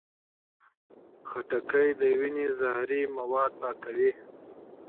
خټکی د وینې زهري مواد پاکوي.